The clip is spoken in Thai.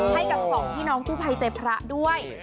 ให้กับสองพี่น้องกู้ภัยใจพระด้วย